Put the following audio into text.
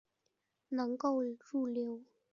能够入流的要素。